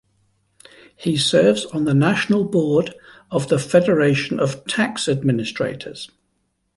He serves on the national board of the Federation of Tax Administrators.